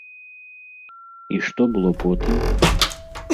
І што было потым?